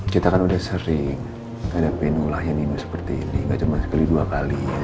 kita kan udah sering ada penulahnya nino seperti ini gak cuma sekali dua kali yang